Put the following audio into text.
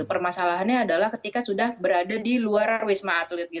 permasalahannya adalah ketika sudah berada di luar wisma atlet